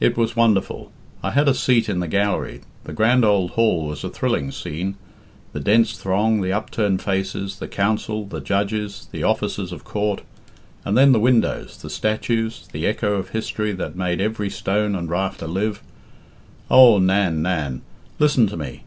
It was wonderful. I had a seat in the gallery. The grand old hall was a thrilling scene the dense throng, the upturned faces, the counsel, the judges, the officers of court, and then the windows, the statues, the echo of history that made every stone and rafter live Oh, Nan, Nan, listen to me!